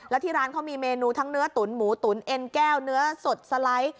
แล้วที่ร้านเขามีเมนูทั้งเนื้อตุ๋นหมูตุ๋นเอ็นแก้วเนื้อสดสไลด์